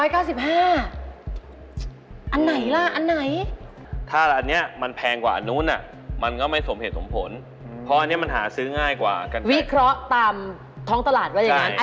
การซื้อง่ายกว่ากลางกายวิเคราะห์ตามท้องตลาดว่าอย่างงั้น